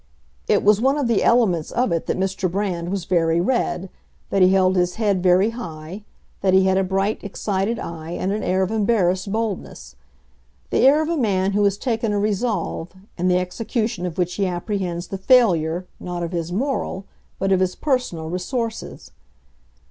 It was one of the elements of it that Mr. Brand was very red, that he held his head very high, that he had a bright, excited eye and an air of embarrassed boldness—the air of a man who has taken a resolve, in the execution of which he apprehends the failure, not of his moral, but of his personal, resources.